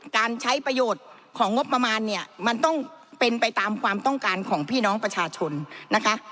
การใช้ประโยชน์ของงบประมาณเนี่ยมันต้องเป็นไปตามความต้องการของพี่น้องประชาชนนะคะ